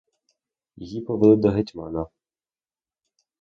Їх повели до гетьмана.